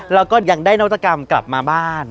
แล้วก็ยังได้นวัตกรรมกลับมาบ้าน